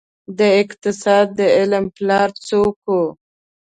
د اقتصاد د علم پلار څوک وه؟